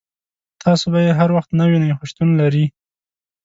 تاسو به یې هر وخت نه وینئ خو شتون لري.